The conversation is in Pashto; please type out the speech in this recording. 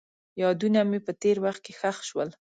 یادونه مې په تېر وخت کې ښخ شول.